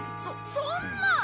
そそんな！